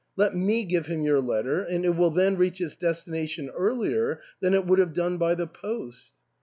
Let me give him your letter, and it will then reach its destination earlier than it would have done by the post."